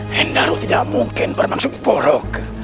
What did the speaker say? hendaru tidak mungkin bermaksud borok